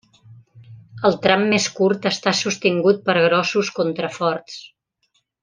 El tram més curt està sostingut per grossos contraforts.